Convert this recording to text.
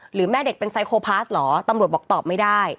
แม่เด็กเป็นไซโคพาสเหรอตำรวจบอกตอบไม่ได้